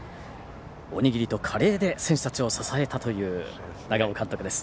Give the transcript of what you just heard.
お握りとカレーで選手たちを支えたという長尾監督です。